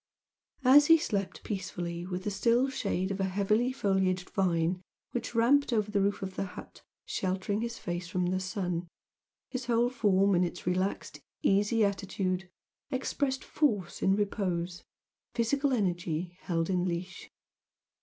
As he slept peacefully, with the still shade of a heavily foliaged vine which ramped over the roof of the hut, sheltering his face from the sun, his whole form in its relaxed, easy attitude expressed force in repose, physical energy held in leash.